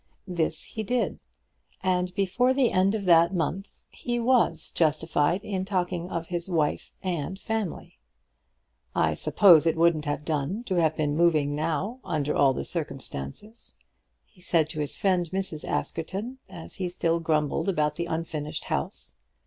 This he did; and before the end of that month he was justified in talking of his wife and family. "I suppose it wouldn't have done to have been moving now, under all the circumstances," he said to his friend, Mrs. Askerton, as he still grumbled about the unfinished house.